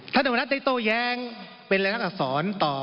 ท่านธรรมนัสในโตแยงเป็นเหลือนักอักษรต่อ